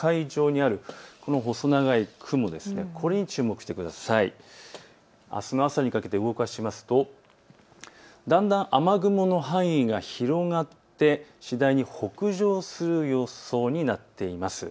あすの朝にかけて動かしますとだんだん雨雲の範囲が広がって次第に北上する予想になっています。